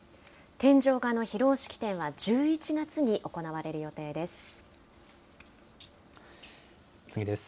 天井画の披露式典は１１月に行われる予定です。